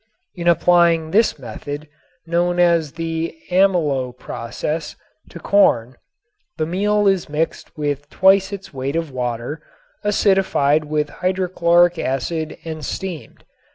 In applying this method, known as the amylo process, to corn, the meal is mixed with twice its weight of water, acidified with hydrochloric acid and steamed.